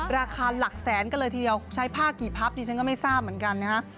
ราคาหลักแสนกันเลยทีเดียวใช้ผ้ากี่พับดิฉันก็ไม่ทราบเหมือนกันนะฮะ